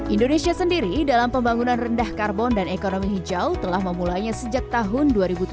indonesia sendiri dalam pembangunan rendah karbon dan ekonomi hijau telah memulainya sejak tahun dua ribu tujuh belas